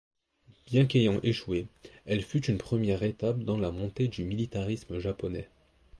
Bien qu'ayant échoué, elle fut une première étape dans la montée du militarisme japonais.